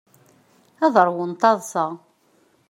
Ad ṛwun taḍṣa.